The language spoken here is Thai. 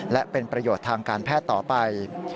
และเป็นประโยชน์ทางการแพทย์ต่อไป